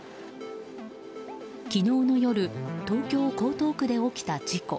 昨日の夜東京・江東区で起きた事故。